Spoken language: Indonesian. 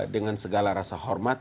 dengan segala rasa hormat